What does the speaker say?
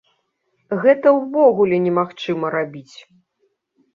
Гэта ўвогуле немагчыма рабіць!